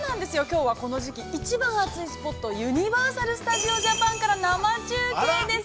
◆この時期一番熱いユニバーサル・スタジオ・ジャパンから生中継です。